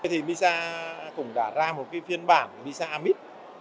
thì misa cũng đã ra một cái phiên bản misa amid